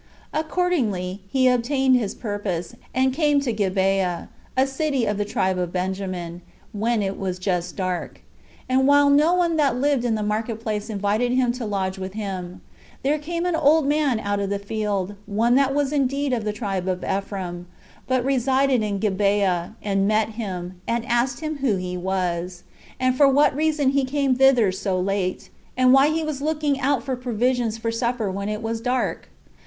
Accordingly, he obtained his purpose, and came to Gibeah, a city of the tribe of Benjamin, when it was just dark; and while no one that lived in the market place invited him to lodge with him, there came an old man out of the field, one that was indeed of the tribe of Ephraim, but resided in Gibeah, and met him, and asked him who he was, and for what reason he came thither so late, and why he was looking out for provisions for supper when it was dark?